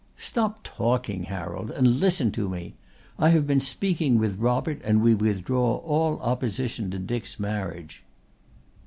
"Stop talking, Harold, and listen to me! I have been speaking with Robert and we withdraw all opposition to Dick's marriage."